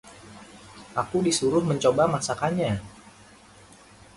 aku disuruh mencoba masakannya